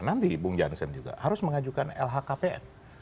nanti bung jansen juga harus mengajukan lhkpn